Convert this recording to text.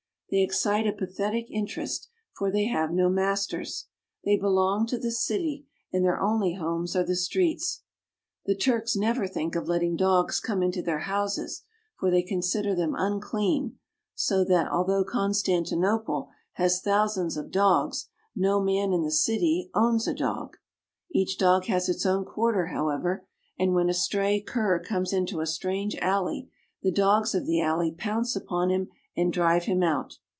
They excite a pathetic interest, for they have no masters. They belong to the city and their only homes are the streets. The Turks never think of letting dogs come into their houses, for they consider them unclean, so that, although IN CONSTANTINOPLE, 369 Constantinople has thousands of dogs, no man in the city owns a dog. Each dog has its own quarter, however, and when a stray cur comes into a strange alley, the dogs of the alley pounce upon him and drive him out.